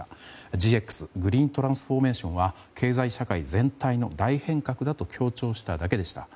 ＧＸ・グリーントランスフォーメーションは経済社会全体の大変革だと強調しただけでした。